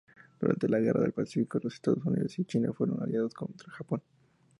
Durante la Guerra del Pacífico, los Estados Unidos y China fueron aliados contra Japón.